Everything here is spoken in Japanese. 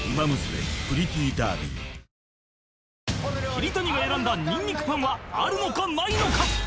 桐谷が選んだニンニクパンはあるのかないのか？